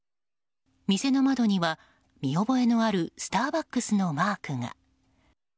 店の窓には見覚えのあるスターバックスのマークが。